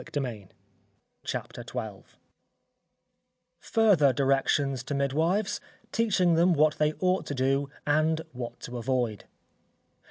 CHAPTER XII _Further Directions to Midwives, teaching them what they ought to do, and what to avoid.